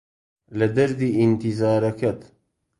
لە دەردی ئینتیزارەکەت